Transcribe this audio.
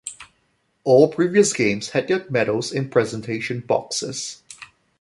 All previous games had their medals in presentation boxes.